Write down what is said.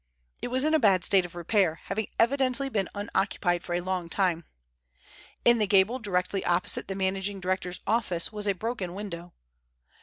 It was in a bad state of repair, having evidently been unoccupied for a long time. In the gable directly opposite the managing director's office was a broken window.